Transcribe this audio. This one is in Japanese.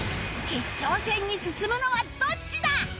決勝戦に進むのはどっちだ！？